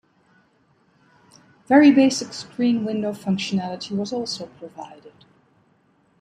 Very basic screen window functionality was also provided.